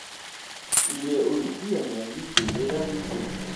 Il est aussi un ami de Mela Muter.